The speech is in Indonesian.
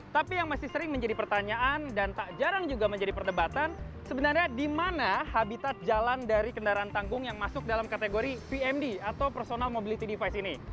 tapi yang masih sering menjadi pertanyaan dan tak jarang juga menjadi perdebatan sebenarnya di mana habitat jalan dari kendaraan tanggung yang masuk dalam kategori vmd atau personal mobility device ini